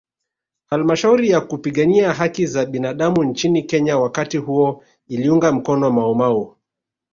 Halmashauri ya kupigania haki za binadamu nchini Kenya wakati huo iliunga mkono maumau